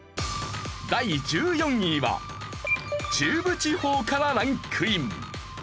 第１４位は中部地方からランクイン。